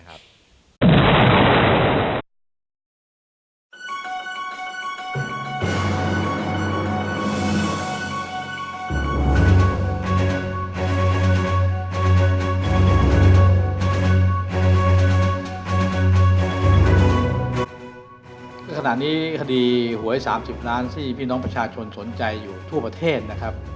ขณะนี้คดีหวย๓๐ล้านที่พี่น้องประชาชนสนใจอยู่ทั่วประเทศนะครับ